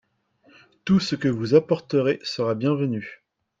Tout ce que vous apporterez sera bienvenu.